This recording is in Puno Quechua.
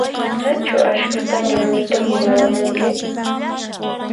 Ñachu askhataña rumita huñuramunki?